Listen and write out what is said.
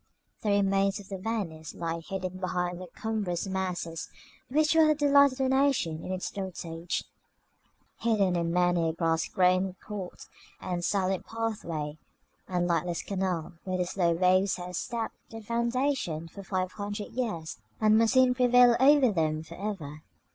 The remains of their Venice lie hidden behind the cumbrous masses which were the delight of the nation in its dotage; hidden in many a grass grown court, and silent pathway, and lightless canal, where the slow waves have sapped their foundations for five hundred years, and must soon prevail over them for ever.